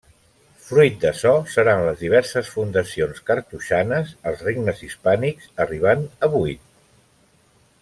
Fruit d'açò seran les diverses fundacions cartoixanes als regnes hispànics, arribant a vuit.